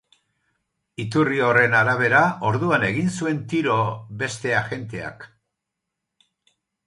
Iturri horren arabera, orduan egin zuen tiro beste agenteak.